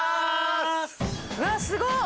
うわすごっ！